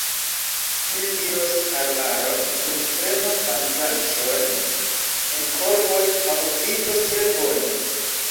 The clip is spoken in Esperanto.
Ili iros arbaron, kunprenos manĝaĵon en korboj, amuziĝos tre bone.